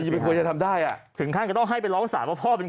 ไม่ควรจะทำได้อ่ะถึงขั้นก็ต้องให้ไปร้องศาลว่าพ่อเป็น